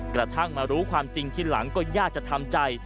กระทั่งมารู้ความจริงทีหลังก็ยากจะทำใจ